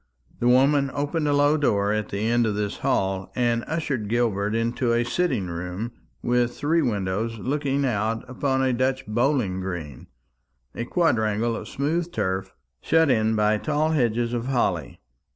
The woman opened a low door at the end of this hall, and ushered Gilbert into a sitting room with three windows looking out upon a Dutch bowling green, a quadrangle of smooth turf shut in by tall hedges of holly.